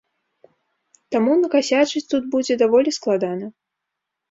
Таму накасячыць тут будзе даволі складана.